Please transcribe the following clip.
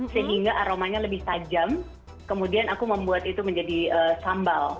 sehingga aromanya lebih tajam kemudian aku membuat itu menjadi sambal